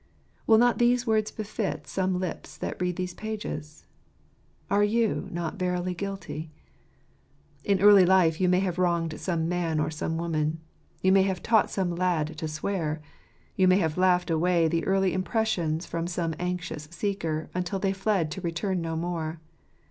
Will not these words befit some lips that read these pages ? Are you not verily guilty ? In early life you may have wronged some man or some woman. You may have taught some young lad to swear. You may have laughed away the early impressions from some anxious seeker, until they fled to return no more.